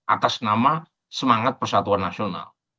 atas nama semangat persatuan nasional